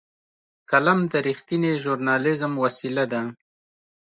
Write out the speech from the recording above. قلم د رښتینې ژورنالېزم وسیله ده